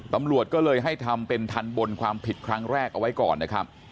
ตำรวจก็เลยให้ทำเป็นทันบนความผิดครั้งแรกเอาไว้ก่อนนะครับ